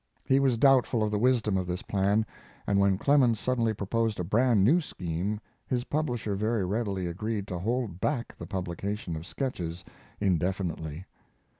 He was doubtful of the wisdom of this plan, and when Clemens suddenly proposed a brand new scheme his publisher very readily agreed to hold back the publication of Sketches indefinitely.